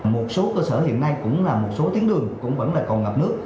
một số cơ sở hiện nay cũng là một số tuyến đường cũng vẫn là còn ngập nước